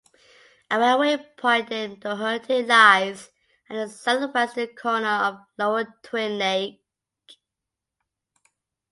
A railway point named Doherty lies at the southwestern corner of Lower Twin Lake.